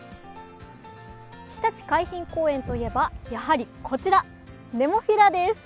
ひたち海浜公園といえば、やはりこちら、ネモフィラです。